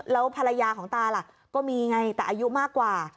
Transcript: แล้วภรรยาของตาล่ะก็มีไงแต่อายุมากกว่า